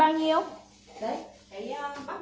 cái dòng này nó rất là rẻ